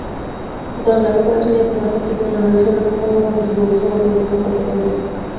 সুতরাং লেখাপড়া ছাড়িয়া তিনি আধ্যাত্মিক জ্ঞানন্বেষণে সম্পূর্ণভাবে জীবন উৎসর্গ করিতে সংকল্প করিলেন।